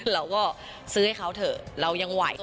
เราก็ซื้อให้เขาเถอะเรายังไหว